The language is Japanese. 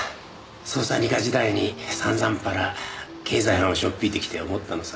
捜査２課時代にさんざんぱら経済犯をしょっぴいてきて思ったのさ。